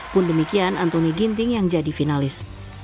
pun demikian antoni ginting yang jadi finalis